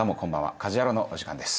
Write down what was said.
『家事ヤロウ！！！』のお時間です。